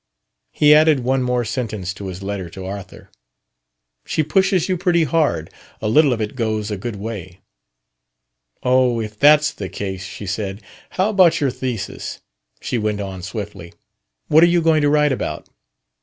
He added one more sentence to his letter to "Arthur": "She pushes you pretty hard. A little of it goes a good way..." "Oh, if that's the case..." she said. "How about your thesis?" she went on swiftly. "What are you going to write about?"